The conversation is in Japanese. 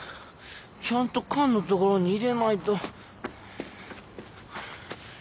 ちゃんと缶のところに入れないと。